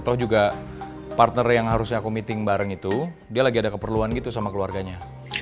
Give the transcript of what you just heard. toh juga partner yang harusnya aku meeting bareng itu dia lagi ada keperluan gitu sama keluarganya